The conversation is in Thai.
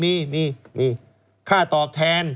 ที่มันจะมีค่าตอบแทน